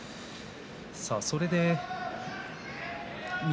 それで翠